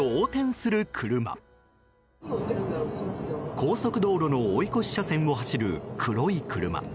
高速道路の追い越し車線を走る黒い車。